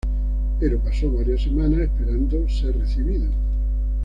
Pero pasó varias semanas esperando ser recibido.